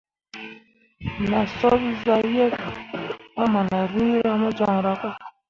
Na soɓ zah yeb pahmanlii mo joŋra ka.